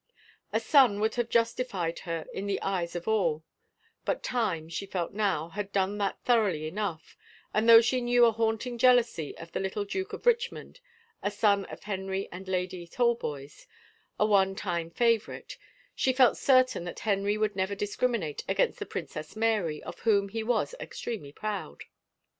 A son would have justified her in the eyes of all, but time, she felt now, had done that thoroughly enough, and though she knew a haunting jealousy of the little Duke of Richmond, a son of Henry and Lady Talboys, a one time favorite, she felt certain that Henry would never discriminate against the Princess Mary, of whom he was extremely proud.